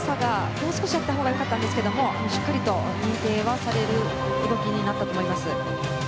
もう少しあったほうが良かったんですけどしっかりと認定はされる動きになったと思います。